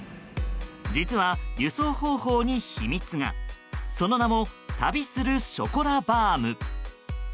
実は、輸送方法に秘密がその名も旅するショコラバーム。